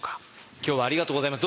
今日はありがとうございます。